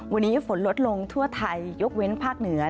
วันนี้ฝนลดลงทั่วไทยยกเว้นภาคเหนือ